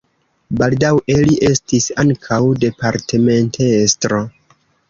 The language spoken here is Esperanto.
Baldaŭe li estis ankaŭ departementestro.